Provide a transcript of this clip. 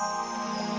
ini mau berkembang ya